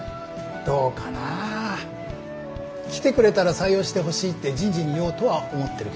どうかなぁ。来てくれたら採用してほしいって人事に言おうとは思ってるけど。